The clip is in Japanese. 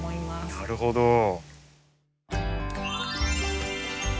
なるほど。